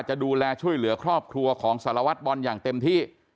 จะดูแลช่วยเหลือครอบครัวของสารวัตรบอลอย่างเต็มที่